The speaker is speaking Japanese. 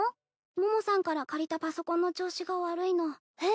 桃さんから借りたパソコンの調子が悪いのえっ？